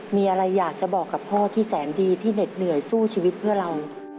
มีอะไรอยากจะบอกกับพ่อที่แสนดีที่เหน็ดเหนื่อยสู้ชีวิตเพื่อเรา